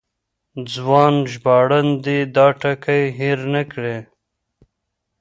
ځوان ژباړن دې دا ټکی هېر نه کړي.